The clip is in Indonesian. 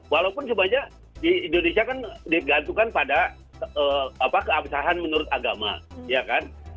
walaupun sebenarnya di indonesia kan digantungkan pada keabsahan menurut agama ya kan